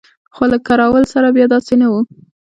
خو له کراول سره بیا داسې نه وو.